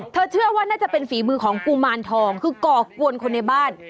เชื่อว่าน่าจะเป็นฝีมือของกุมารทองคือก่อกวนคนในบ้าน